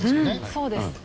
そうです。